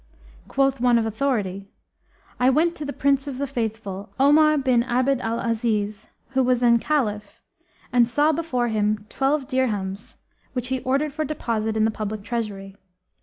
Quoth one of authority, 'I went to the Prince of the Faithful, Omarbin Abd al Aziz, who was then Caliph, and saw before him twelve dirhams, which he ordered for deposit in the public treasury.